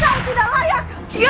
kau tidak layak